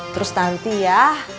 terus tanti ya